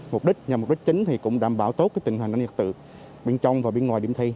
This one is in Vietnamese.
mục đích chính thì cũng đảm bảo tốt tình hình nhân dật tự bên trong và bên ngoài điểm thi